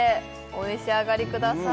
お召し上がりください